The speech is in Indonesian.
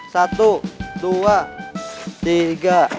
satu dua tiga